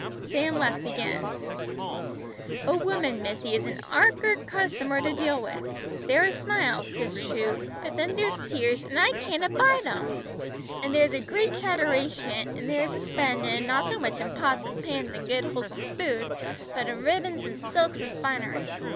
Sam laughed again. "A woman, missy, is an ork'ard customer to deal with. There is smiles, 'tis true, but then there's tears, an' I can't abide 'em! An' there's a great chatteration, and there's a spendin', not so much in pots an' pans an' good wholesome food, but in ribbons an' silks an' finery.